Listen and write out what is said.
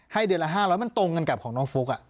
เดือนละ๕๐๐มันตรงกันกับของน้องฟุ๊ก